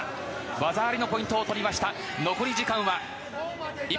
技ありのポイントを取りました。